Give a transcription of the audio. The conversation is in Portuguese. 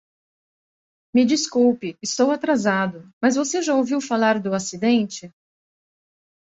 Me desculpe, estou atrasado, mas você já ouviu falar do acidente?